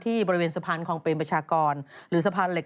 บริเวณสะพานคลองเปรมประชากรหรือสะพานเหล็ก